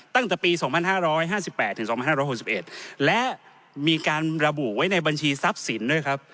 ตั้งแต่ปี๒๕๕๘ถึง๒๕๖๑และมีการระบุไว้ในบัญชีทรัพย์สินด้วยครับ